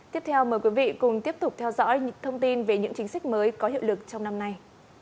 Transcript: tiếp theo mời quý vị cùng tiếp tục theo dõi những thông tin về những chính sách mới có hiệu lực trong năm nay